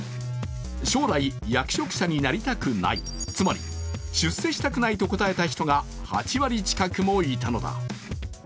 将来役職者になりたくない、つまり出世したくないと答えた人が８割近くもいたのだ。